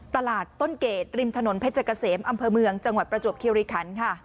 ตลาดต้นเกรดริมถนนเพชรเกษมอำเภอเมืองจังหวัดประจวบคิวริคันค่ะ